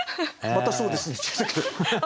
本当そうですね。